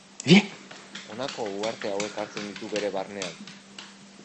Honako uharte hauek hartzen ditu bere barnean.